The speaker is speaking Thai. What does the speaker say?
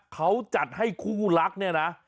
เขาจัดให้คู่รักเนี่ยนะ